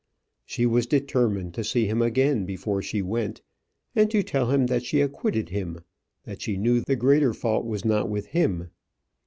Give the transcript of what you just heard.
She was determined to see him again before she went, and to tell him that she acquitted him; that she knew the greater fault was not with him.